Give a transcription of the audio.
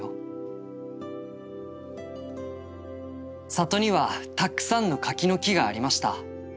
「里にはたくさんの柿の木がありました。